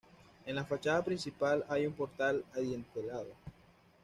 En la fachada principal hay un portal adintelado.